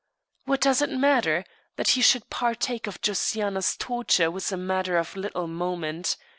What does it matter? That he should partake of Josiana's torture was a matter of little moment.